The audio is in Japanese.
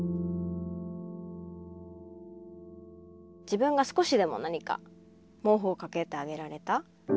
自分が少しでも何か毛布を掛けてあげられた。